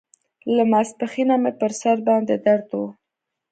له ماسپښينه مې پر سر باندې درد و.